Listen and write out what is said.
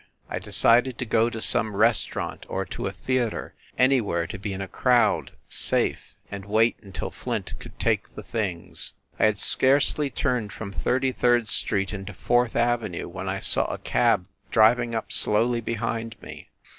... I decided to go to some restaurant, or to a theater anywhere to be in a crowd, safe ... and wait until Flint could take the things. ... I had scarcely turned from Thirty third Street into Fourth Avenue, when I saw a cab driving up slowly behind me.